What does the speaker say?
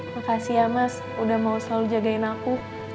makasih ya mas udah mau selalu jagain aku